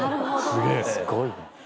すごいね。